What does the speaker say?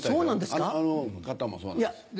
あの方もそうなんです。